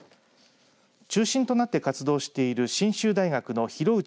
中心となって活動している信州大学の廣内